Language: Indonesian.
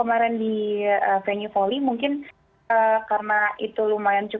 atau seperti apa dari pandangan seorang atlet